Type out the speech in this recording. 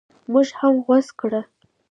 موږ هم غوڅ کړل.